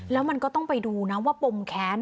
แล้วมันก็ต้องไปดูนะว่าปมแค้น